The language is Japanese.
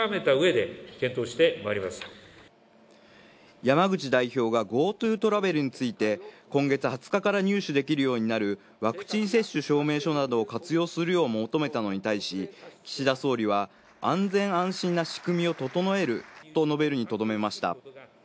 山口代表がＧｏＴｏトラベルについて今月２０日から入手できるようになるワクチン接種証明書を活用するよう求めたのに対し、岸田総理は安全安心な仕組みを整えるとのべるにとどめました。